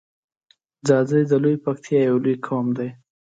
ځاځی د لویی پکتیا یو لوی قوم دی.